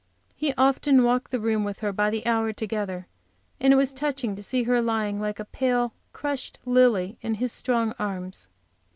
He often walked the room with her by the hour together, and it was touching to see her lying like a pale; crushed lily in his strong arms.